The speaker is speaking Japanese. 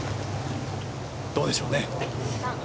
どうでしょうね。